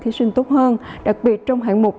thí sinh tốt hơn đặc biệt trong hạng mục